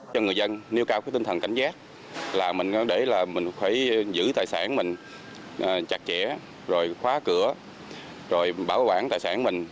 cho người dân nêu cao tinh thần cảnh giác để mình phải giữ tài sản mình chặt chẽ khóa cửa bảo quản tài sản mình